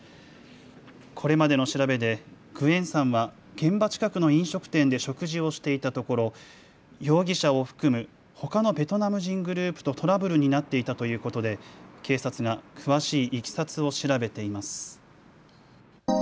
これまでの調べでグエンさんは現場近くの飲食店で食事をしていたところ、容疑者を含むほかのベトナム人グループとトラブルになっていたということで警察が詳しいいきさつを調べています。